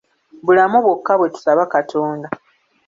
Bulamu bwokka bwe tusaba katonda.